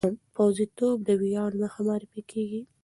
پوځي توب د ویاړ نښه معرفي کېږي.